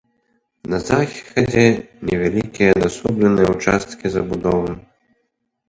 На захадзе невялікія адасобленыя ўчасткі забудовы.